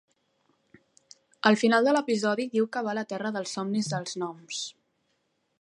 Al final de l'episodi diu que va a la "Terra dels somnis dels gnoms".